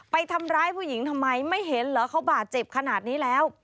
ไปทำร้ายผู้หญิงทำไมไม่เห็นเหรอเขาบาดเจ็บขนาดนี้แล้ว